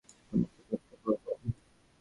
তোমাকেও গ্রেফতার করব।